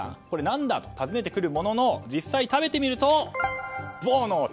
これ何だ？と尋ねてくるものの実際食べてみるとボーノ！